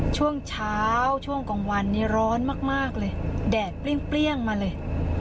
ช่วงเช้าช่วงกลางวันนี้ร้อนมากเลยแดดเปรี้ยงมาเลย